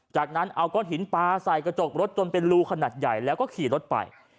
จากนั้นเอาก้อนหินปลาใส่กระจกรถจนเป็นรูขนาดใหญ่แล้วก็ขี่รถไป